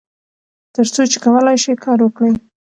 تر څو چې کولای شئ کار وکړئ.